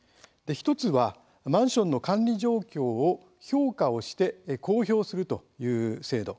１つは、マンションの管理状況を評価をして公表するという制度。